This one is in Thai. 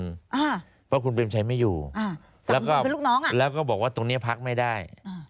เพราะคุณเป็มชัยไม่อยู่แล้วก็บอกว่าตรงนี้พักไม่ได้